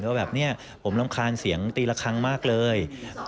ว่าแบบนี้ผมรำคาญเสียงตีละครั้งมากเลย